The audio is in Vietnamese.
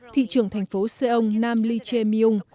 thị trường thành phố seong nam lee che myung